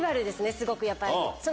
すごくやっぱり。